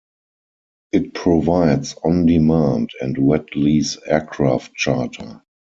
It provides on-demand and wet lease aircraft charter.